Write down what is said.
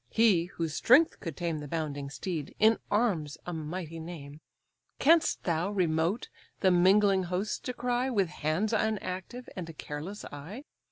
(he, whose strength could tame The bounding steed, in arms a mighty name) Canst thou, remote, the mingling hosts descry, With hands unactive, and a careless eye?